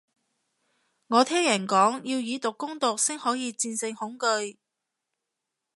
我聽人講，要以毒攻毒先可以戰勝恐懼